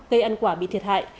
cây ăn quả bị thiệt hại